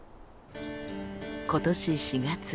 今年４月。